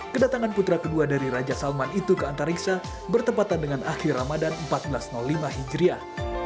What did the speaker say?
kedatangan putra kedua dari raja salman itu ke antariksa bertempatan dengan akhir ramadan seribu empat ratus lima hijriah